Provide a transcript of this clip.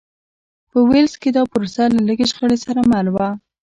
په ویلز کې دا پروسه له لږې شخړې سره مل وه.